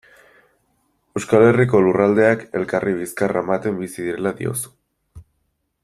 Euskal Herriko lurraldeak elkarri bizkarra ematen bizi direla diozu.